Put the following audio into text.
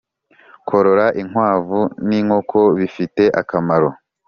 Korora inkwavu n inkoko bifite akamaro